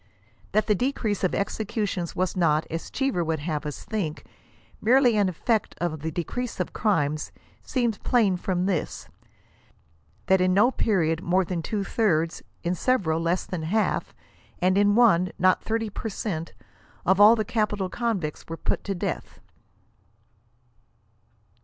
That the decrease of executions was not, as Cheever would have us think it, merely an effect of the decrease of crimes, seems plain from this ; that in no period more than two thirds, in several less than half, and in one, not 30 per cent, of all the capital convicts were put to death.